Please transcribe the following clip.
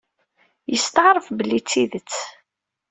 Yesteɛref belli d tidet.